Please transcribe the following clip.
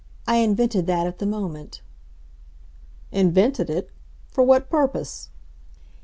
I invented that at the moment." "Invented it? For what purpose?"